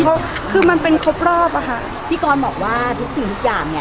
ก็คือมันเป็นครบรอบอะค่ะพี่กรบอกว่าทุกสิ่งทุกอย่างเนี่ย